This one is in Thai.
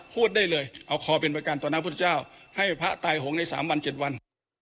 พูดได้เลยเอาคอเป็นประกันต่อหน้าพุทธเจ้าให้พระตายหงษ์ใน๓วัน๗วัน